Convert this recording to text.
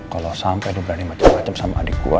kalo sampe dia berani macem macem sama adik gue